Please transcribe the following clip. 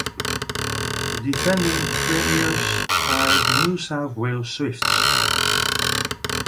The defending premiers are the New South Wales Swifts.